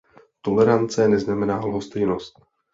Tolerance neznamená lhostejnost.